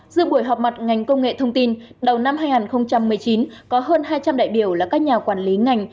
giữa buổi họp mặt ngành công nghệ thông tin đầu năm hai nghìn một mươi chín có hơn hai trăm linh đại biểu là các nhà quản lý ngành